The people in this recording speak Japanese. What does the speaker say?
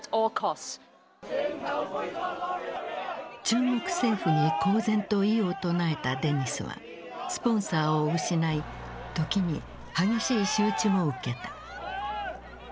中国政府に公然と異を唱えたデニスはスポンサーを失い時に激しい仕打ちも受けた。